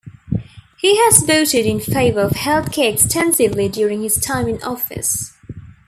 He has voted in favor of health care extensively during his time in office.